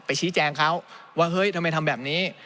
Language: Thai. ชี้แจงเขาว่าเฮ้ยทำไมทำแบบนี้